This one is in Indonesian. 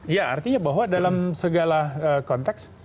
ya artinya bahwa dalam segala konteks